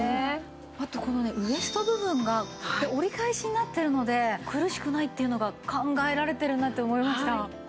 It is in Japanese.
あとこのねウエスト部分が折り返しになってるので苦しくないっていうのが考えられてるなって思いました。